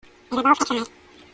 They were both exiled.